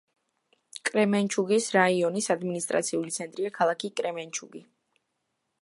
კრემენჩუგის რაიონის ადმინისტრაციული ცენტრია ქალაქი კრემენჩუგი.